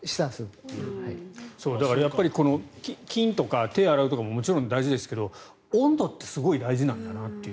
だからやっぱり菌とか手を洗うとかももちろん大事ですが温度ってすごい大事なんだなという。